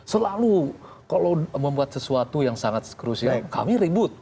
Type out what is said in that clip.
selalu kalau membuat sesuatu yang sangat krusial kami ribut